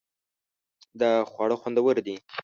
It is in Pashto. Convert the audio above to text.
دا خواړه خوندور دي